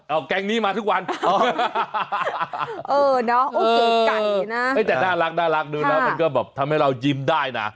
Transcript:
เอาแก๊งนี้มาทุกวันไก่นะแต่น่ารักดูแล้วมันก็แบบทำให้เรายิ้มได้นะ